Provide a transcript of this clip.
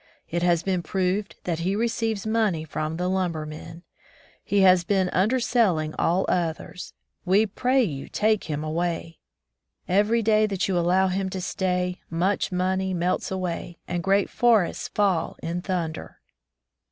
It has been proved that he receives money from the lumber men. He has been underselling all others. We pray you take him away! Every day that you allow him to stay, much money melts away, and great forests fall in thunder!"